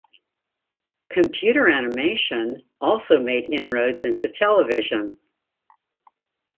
Computer animation also made inroads into television.